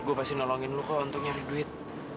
gue pasti nolongin lu kok untuk nyari duit